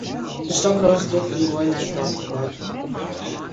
De stokroas docht in goai nei it wrâldrekôr.